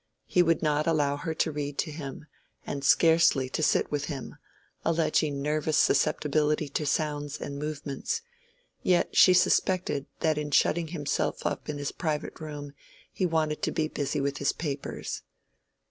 He would not allow her to read to him, and scarcely to sit with him, alleging nervous susceptibility to sounds and movements; yet she suspected that in shutting himself up in his private room he wanted to be busy with his papers.